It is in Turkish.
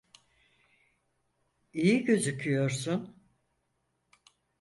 İyi gözüküyorsun.